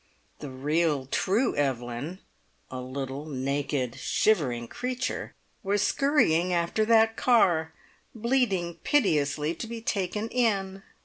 The real, true Evelyn a little, naked, shivering creature was skurrying after that car, bleating piteously to be taken in.